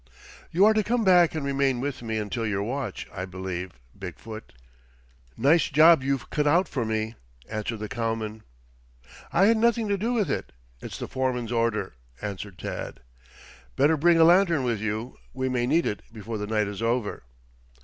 "You are to come back and remain with me until your watch, I believe, Big foot." "Nice job you've cut out for me," answered the cowman. "I had nothing to do with it. It's the foreman's order," answered Tad. "Better bring a lantern with you. We may need it before the night is over."